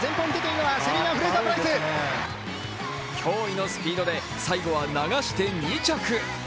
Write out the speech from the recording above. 驚異のスピードで最後は流して２着。